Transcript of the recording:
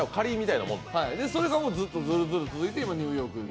それがずっと続いて今ニューヨーク。